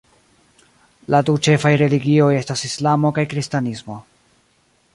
La du ĉefaj religioj estas Islamo kaj Kristanismo.